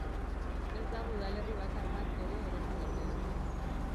Ez dago udalerri bakar bat ere eremu berdean.